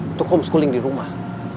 untuk homeschooling di rumah